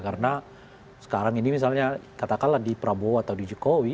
karena sekarang ini misalnya katakanlah di prabowo atau di jokowi